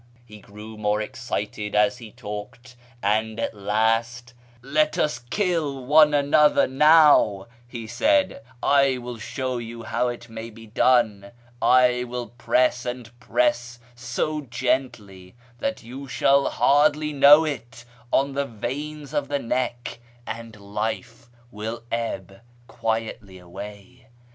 He grew more excited as he talked, and at last, ' Let us kill one another now,' he said ;' I will show you how it may be done — I will press and press so gently that you shall hardly know it, on the veins of the neck, and life will ebb quietly away.